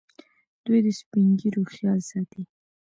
دوی د سپین ږیرو خیال ساتي.